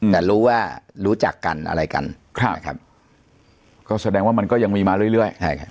แต่รู้ว่ารู้จักกันอะไรกันนะครับก็แสดงว่ามันก็ยังมีมาเรื่อย